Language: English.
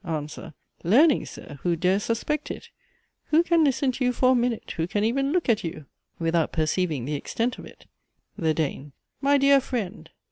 ANSWER. Learning, Sir? Who dares suspect it? Who can listen to you for a minute, who can even look at you, without perceiving the extent of it? THE DANE. My dear friend!